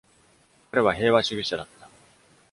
彼は平和主義者だった。